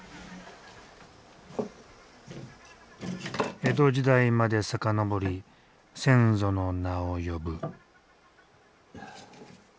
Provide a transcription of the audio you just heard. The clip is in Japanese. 江戸時代まで遡り先祖の名を呼ぶ。